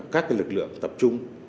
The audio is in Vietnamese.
các cái lực lượng tập trung